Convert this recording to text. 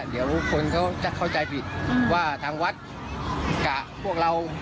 เดี๋ยวคนเขาจะเข้าใจผิดว่าทางวัดกับพวกเรา